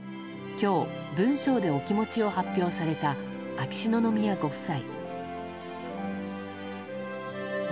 今日、文章でお気持ちを発表された秋篠宮ご夫妻。